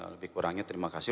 lebih kurangnya terima kasih